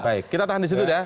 baik kita tahan disitu dah